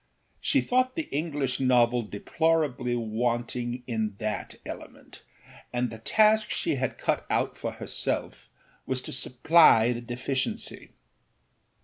She thought the English novel deplorably wanting in that element, and the task she had cut out for herself was to supply the deficiency.